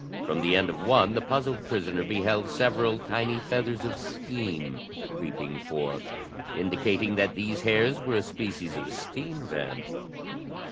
From the end of one, the puzzled prisoner beheld several tiny feathers of steam creeping forth, indicating that these hairs were a species of steam vent.